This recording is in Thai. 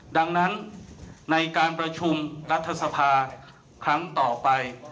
ดังนั้นในการประชุมรัฐสภาครั้งต่อไป